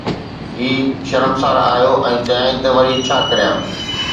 هي شرمسار آيو ۽ چيائين ته وري ڇا ڪريان؟